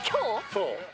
そう。